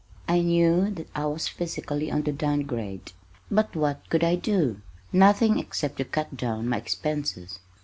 I knew that I was physically on the down grade, but what could I do? Nothing except to cut down my expenses.